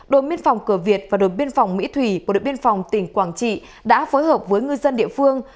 đội biên phòng cờ việt và đội biên phòng mỹ thủy của đội biên phòng tỉnh quảng trị đã phối hợp với ngư dân địa phương